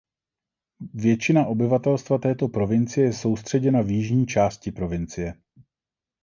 Většina obyvatelstva této provincie je soustředěna v jižní části provincie.